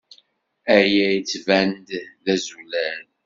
Aya yettban-d d azulal?